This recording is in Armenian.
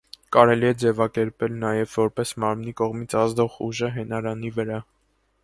Կարելի է ձևակերպել նաև որպես մարմնի կողմից ազդող ուժը հենարանի վրա։